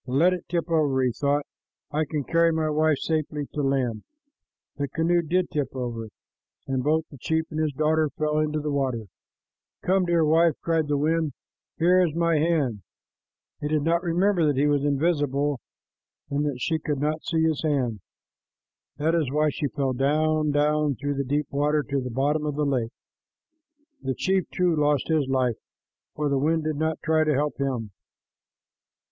"Let it tip over," he thought. "I can carry my wife safely to land." The canoe did tip over, and both the chief and his daughter fell into the water. "Come, dear wife," cried the wind. "Here is my hand." He did not remember that he was invisible, and that she could not see his hand. That is why she fell down, down, through the deep water to the bottom of the lake. The chief, too, lost his life, for the wind did not try to help him.